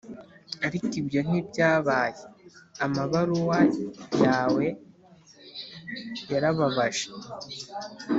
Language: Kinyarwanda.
ariko ibyo ntibyabaye. amabaruwa yawe yarababaje.